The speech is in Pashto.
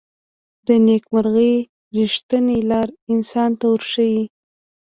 د نیکمرغۍ ریښتینې لاره انسان ته ورښيي.